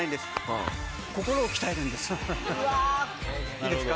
いいですか？